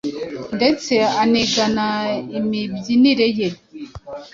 ndetse anigana imibyinire ye